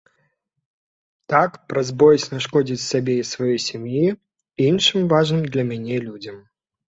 Так, праз боязь нашкодзіць сабе і сваёй сям'і, іншым важным для мяне людзям.